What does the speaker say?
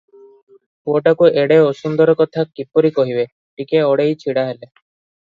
ପୁଅଟାକୁ ଏଡେ ଅସୁନ୍ଦର କଥା କିପରି କହିବେ - ଟିକିଏ ଅଡେଇ ଛିଡ଼ା ହେଲେ ।